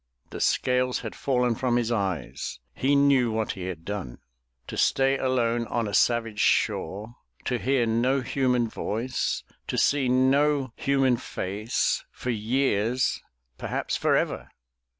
The scales had fallen from his eyes. He knew what he had done. To stay alone on a savage shore — to hear no human voice — to see no 330 THE TREASURE CHEST human face — for years, perhaps forever!